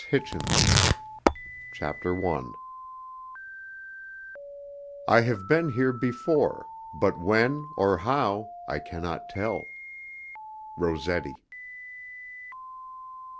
Hichens 1896 "I have been here before, But when, or how, I cannot tell!" Rossetti. I.